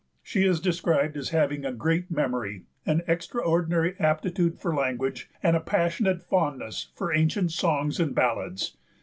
She is described as having "a great memory, an extraordinary aptitude for language, and a passionate fondness for ancient songs and ballads."